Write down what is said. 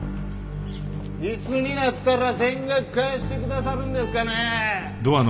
いつになったら全額返してくださるんですかね？